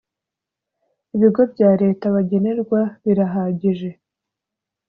ibigo bya leta bagenerwa birahagije.